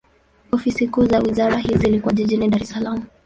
Ofisi kuu za wizara hii zilikuwa jijini Dar es Salaam.